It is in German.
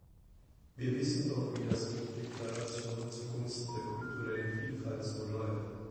Wir wissen doch, wie das mit Deklarationen zugunsten der kulturellen Vielfalt so läuft.